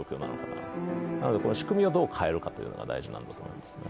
なので、仕組みをどう変えるかが大事だと思いますね。